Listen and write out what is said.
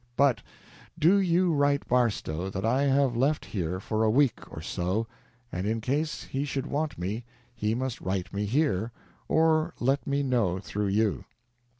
But do you write Barstow that I have left here for a week or so, and, in case he should want me, he must write me here, or let me know through you."